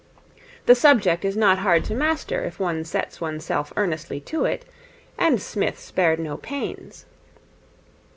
The subject is not hard to master if one sets oneself earnestly to it; and Psmith spared no pains.